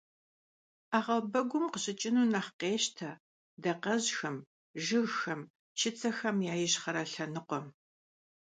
'eğebegum khışıç'ınu nexh khêşte dakhejxem, jjıgxem, çıtsexem ya yişxhere lhenıkhuem.